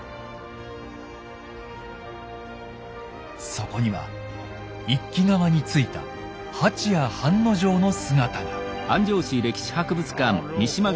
そこには一揆側についた蜂屋半之丞の姿が。